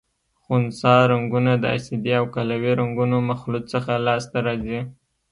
خنثی رنګونه د اسیدي او قلوي رنګونو مخلوط څخه لاس ته راځي.